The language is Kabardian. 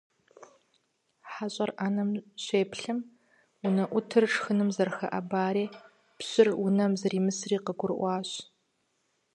ХьэщӀэр Ӏэнэм щеплъым, унэӀутыр шхыным зэрыхэӀэбари пщыр унэм зэримысри къыгурыӀуащ.